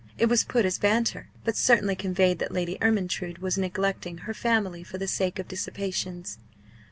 It was put as banter, but certainly conveyed that Lady Ermyntrude was neglecting her family for the sake of dissipations.